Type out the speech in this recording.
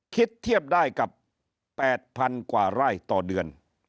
คิดเทียบได้กับ๘๐๐๐กว่าไร่ต่อเดือน